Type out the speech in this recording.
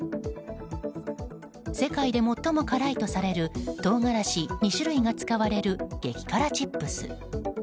世界で最も辛いとされる唐辛子２種類が使われる激辛チップス。